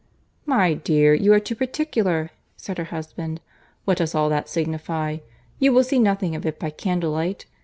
"My dear, you are too particular," said her husband. "What does all that signify? You will see nothing of it by candlelight.